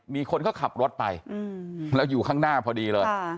มีคนเขาขับรถไปแล้วอยู่ข้างหน้าพอดีเลย